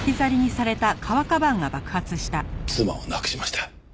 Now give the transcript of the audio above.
妻を亡くしました。